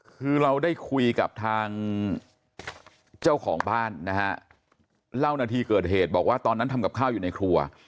คือเราได้คุยกับทางเจ้าของบ้านนะฮะเล่านาทีเกิดเหตุบอกว่าตอนนั้นทำกับข้าวอยู่ในครัว